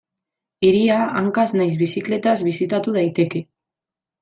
Hiria hankaz nahiz bizikletaz bisitatu daiteke.